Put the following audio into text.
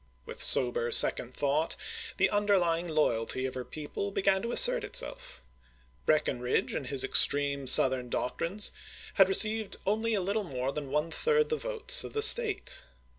With sober second thought, the underlying loyalty of her people began to assert itself. Breckinridge and his extreme Southern doc trines had received only a little more than one third the votes of the State.